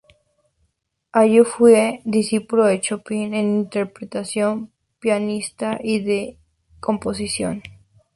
Allí fue discípulo de Chopin en interpretación pianística, y de en composición.